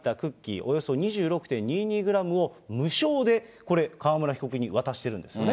およそ２６．２２グラムを無償でこれ、川村被告に渡しているんですよね。